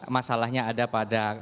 masalahnya ada pada